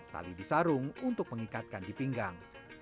tali disarung untuk mengikatkan di pinggang